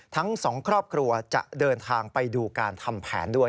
ทั้งสองครอบครัวจะเดินทางไปดูการทำแผนด้วย